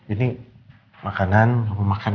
ini makanan untuk kamu makan